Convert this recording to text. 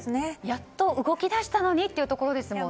やっと動き出したのにというところですよね。